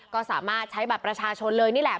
ก็สามารถใช้บัตรประชาชนเลยนี่แหละ